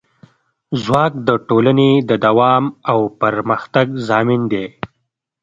ځواک د ټولنې د دوام او پرمختګ ضامن دی.